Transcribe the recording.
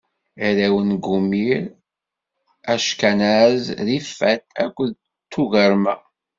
Arraw n Gumir: Ackanaz, Rifat akked Tugarma.